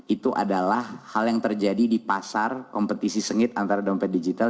itu adalah hal yang terjadi di pasar kompetisi sengit antara dompet digital